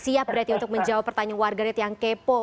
siap berarti untuk menjawab pertanyaan warga net yang kepo